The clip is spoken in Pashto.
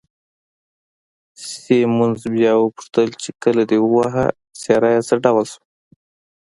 سیمونز بیا وپوښتل چې، کله دې وواهه، څېره یې څه ډول شوه؟